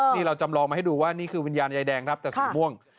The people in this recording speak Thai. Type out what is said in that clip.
นี่เราจำลองมาให้ดูว่านี่คือวิญญาณยายแดงครับแต่สีม่วง